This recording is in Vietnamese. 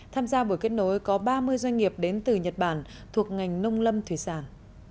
tham gia buổi kết nối có ba mươi doanh nghiệp đến từ nhật bản thuộc ngành nông lâm thủy sản